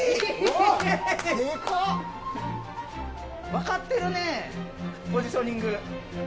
分かってるねぇポジショニング！